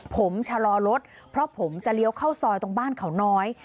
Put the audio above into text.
ผมชะลอรถเพราะผมจะเลี้ยวเข้าซอยตรงบ้านเขาน้อย